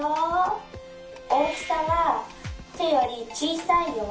大きさはてよりちいさいよ。